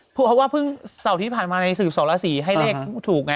เพราะว่าเพิ่งเสาร์ที่ผ่านมาในสืบสองราศีให้เลขถูกไง